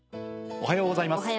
おはようございます。